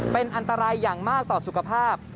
เป็นอันตรายอย่างมากต่อสุขภาพ